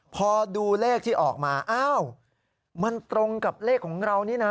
พอดูเลขที่ออกมาอ้าวมันตรงกับเลขของเรานี่นะ